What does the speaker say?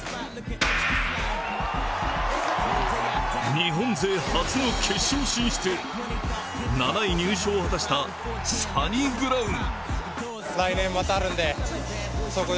日本勢初の決勝進出へ、７位入賞を果たしたサニブラウン。